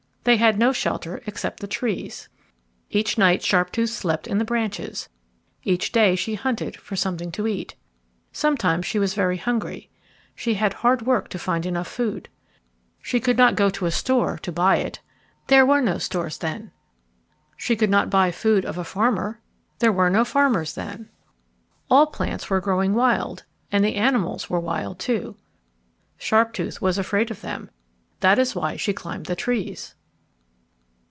They had no shelter except the trees. Each night Sharptooth slept in the branches. Each day she hunted for something to eat. Sometimes she was very hungry. She had hard work to find enough food. She could not go to a store to buy it. There were no stores then. She could not buy food of a farmer. There were no farmers then. All the plants were growing wild. All the animals were wild, too. Sharptooth was afraid of them. That is why she climbed the trees.